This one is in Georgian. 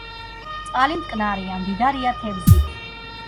წყალი მტკნარია, მდიდარია თევზით.